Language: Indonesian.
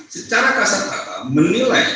secara kasar mata menilai